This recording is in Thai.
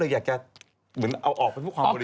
ก็เลยอยากจะเอาออกมาเพื่อความบริสุทธิ์